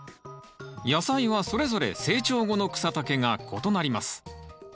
野菜はそれぞれ成長後の草丈が異なります。